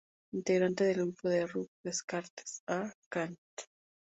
Integrante del grupo de rock Descartes A Kant.